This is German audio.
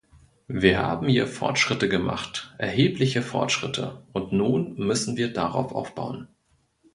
Wir haben hier Fortschritte gemacht, erhebliche Fortschritte, und nun müssen wir darauf aufbauen.